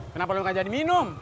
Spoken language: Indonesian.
kenapa lo nggak jadi minum